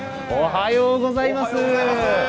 おはようございます。